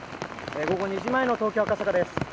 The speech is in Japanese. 午後２時前の東京・赤坂です。